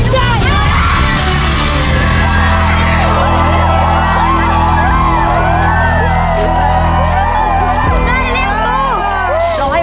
ได้